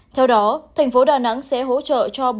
theo đó thành phố đà nẵng sẽ hỗ trợ cho